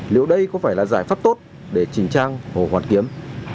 liệu đây có phải là giải pháp tốt để chỉnh trang hồ hoàn kiếm